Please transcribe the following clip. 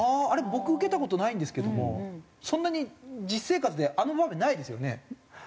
あれ僕受けた事ないんですけどもそんなに実生活であの場面ないですよね。